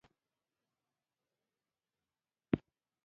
آیا او دوی انصاف نه غواړي؟